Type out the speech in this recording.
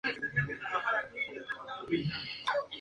Los tesalios eran considerados los mejores jinetes.